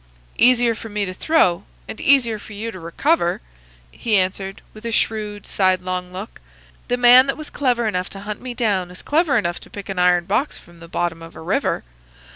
"Easier for me to throw, and easier for you to recover," he answered, with a shrewd, sidelong look. "The man that was clever enough to hunt me down is clever enough to pick an iron box from the bottom of a river.